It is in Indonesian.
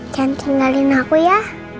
jangan tinggalin aku ya